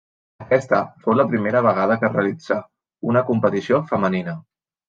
Aquesta fou la primera vegada que es realitzà una competició femenina.